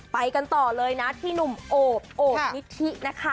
ไปกันต่อเลยนะที่หนุ่มโอบโอบนิธินะคะ